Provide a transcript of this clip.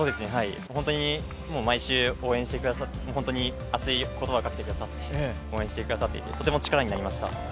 本当に応援してくれて、本当に熱い言葉をかけてくださって、応援してくださっていてとても力になりました。